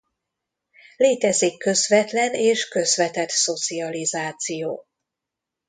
Létezik közvetlen és közvetett szocializáció.